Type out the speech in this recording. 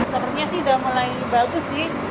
sebenarnya sudah mulai bagus sih